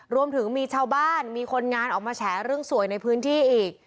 รวมถึงมีชาวบ้านมีคนงานออกมาแฉเรื่องสวยในพื้นที่อีก